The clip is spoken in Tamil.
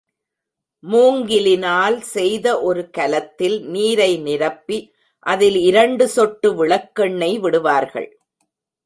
மூங்கிலினால் செய்த ஒரு கலத்தில் நீரை நிரப்பி, அதில் இரண்டு சொட்டு விளக்கெண்ணெய் விடுவார்கள்.